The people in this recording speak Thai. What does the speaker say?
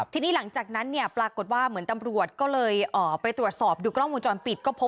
ทีนี้หลังจากนั้นปรากฏว่าเหมือนก็เลยไปตรวจสอบดูกล้องวงจรปิด